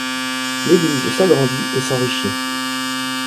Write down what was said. L’église s’agrandit et s’enrichit.